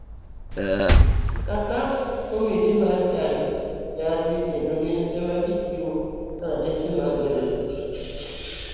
kaka komiti mar chano nyasi kendo gin ema gichiwo kalatese mag gwelo ji